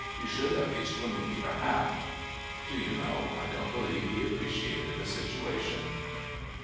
You should at least remove your hat." Do you know, I don't believe he appreciated the situation.